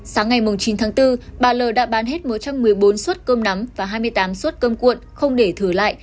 sáng ngày chín tháng bốn bà l đã bán hết một trăm một mươi bốn suất cơm nắm và hai mươi tám suất cơm cuộn không để thử lại